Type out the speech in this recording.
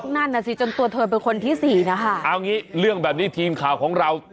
นั่นน่ะสิจนตัวเธอเป็นคนที่สี่นะคะเอางี้เรื่องแบบนี้ทีมข่าวของเรา